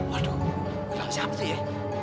aduh gelang siapa ya